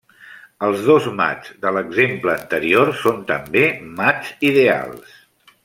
Els dos mats de l'exemple anterior són també mats ideals.